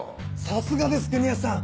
さすがです国安さん！